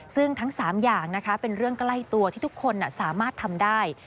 ซึ่งทั้ง๓อย่างนะคะเป็นเรื่องใกล้ตัวที่ทุกคนสามารถทำได้